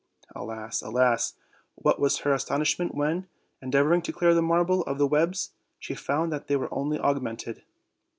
Alas! alas! what was her astonishment when, endeavoring to clear the marble of the webs, she found that they only augmented!